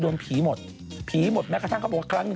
โดนผีหมดผีหมดแม้กระทั่งเขาบอกว่าครั้งหนึ่ง